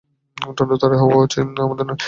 দণ্ড তারই হওয়া চাই, আমাদের নয়।